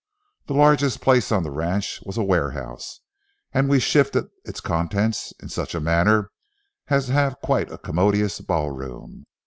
The largest place on the ranch was a warehouse, and we shifted its contents in such a manner as to have quite a commodious ball room.